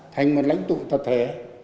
thành một lãnh tụng tập thể